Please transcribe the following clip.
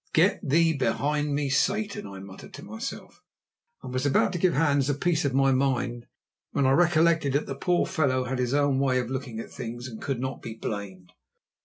"Get thee behind me, Satan," I muttered to myself, and was about to give Hans a piece of my mind when I recollected that the poor fellow had his own way of looking at things and could not be blamed.